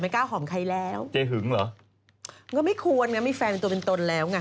มันก็ไม่ควรมีแฟนเป็นตัวเป็นตนแล้วงะจะไม่น่ามาเที่ยวกัดกอดไปหอมใครต์นี่นะ